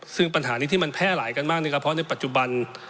ซึ่งปัญหานี้ที่มันแพร่หลายกันมากนะครับเพราะในปัจจุบัน